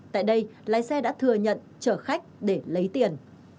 tại đây lái xe đã thừa nhận chở khách để lấy tiền